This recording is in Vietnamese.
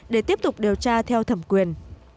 để kiểm tra theo thẩm quyền